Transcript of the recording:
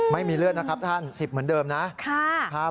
ไม่มีเลือดนะครับท่าน๑๐เหมือนเดิมนะครับ